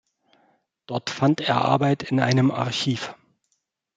Dort fand er Arbeit in einem Archiv.